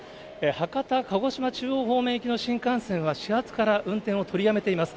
博多、鹿児島中央行きの新幹線は、始発から運転を取りやめています。